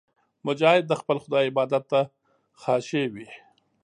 مجاهد د خپل خدای عبادت ته خاشع وي.